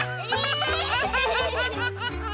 アハハハハ！